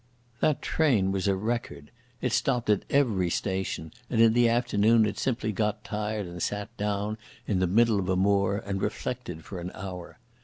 That train was a record. It stopped at every station, and in the afternoon it simply got tired and sat down in the middle of a moor and reflected for an hour.